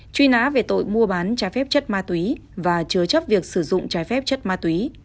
truy nã về tội mua bán trái phép chất ma túy và chứa chấp việc sử dụng trái phép chất ma túy